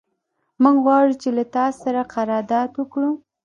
موږ غواړو چې له تا سره قرارداد وکړو.